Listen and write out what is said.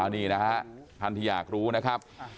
นี่นะฮะท่านที่อยากรู้นะครับ